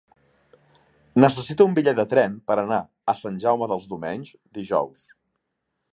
Necessito un bitllet de tren per anar a Sant Jaume dels Domenys dijous.